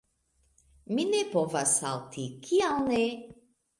Mi ne povas salti. Kial ne?